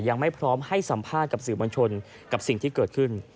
ยังไม่พร้อมที่จะให้สัมภาษณ์ต่างกับสิ่งที่เกิดขึ้น